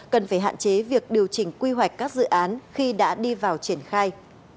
cần phải hạn chế việc điều chỉnh quy hoạch các dự án khi đã đi vào triển khai